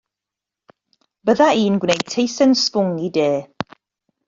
Bydda i'n gwneud teisen sbwng i de.